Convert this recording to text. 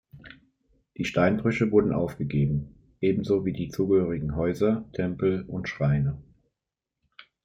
Die Steinbrüche wurden aufgegeben, ebenso wie die zugehörigen Häuser, Tempel und Schreine.